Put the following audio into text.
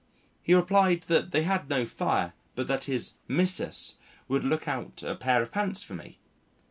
He replied that they had no fire but that his "missus" would look out a pair of pants for me.